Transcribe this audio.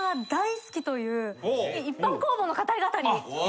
一般公募の方で。